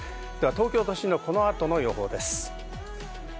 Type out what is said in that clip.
東京都心のこの後の予報です。